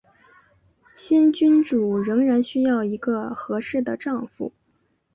新君主仍然需要一个合适的丈夫。